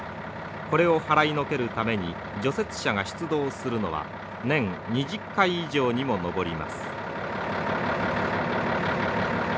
これを払いのけるために除雪車が出動するのは年２０回以上にも上ります。